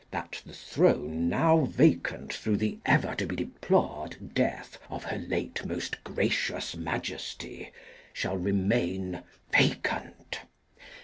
That the Throne now vacant through the ever to be deplored death of her late most gracious Majesty shall remain vacant.